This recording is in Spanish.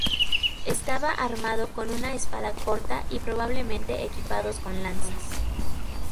Estaba armado con una espada corta y probablemente equipados con lanzas.